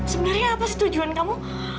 sebenarnya apa tujuan kamu